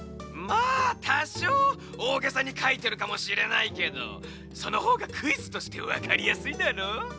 まあたしょうおおげさにかいてるかもしれないけどそのほうがクイズとしてわかりやすいだろ？